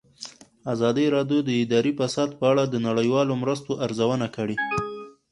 ازادي راډیو د اداري فساد په اړه د نړیوالو مرستو ارزونه کړې.